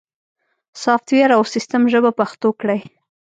سافت ویر او سیستم ژبه پښتو کړئ